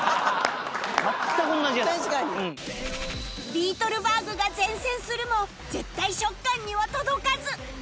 ビートルバーグが善戦するも絶対食感には届かず！